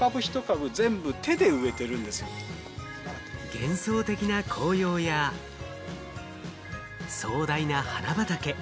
幻想的な紅葉や、壮大な花畑。